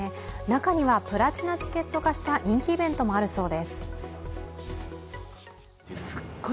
中にはプラチナチケット化した人気イベントもあるそうです。